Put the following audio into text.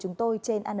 chúng tôi trên anntv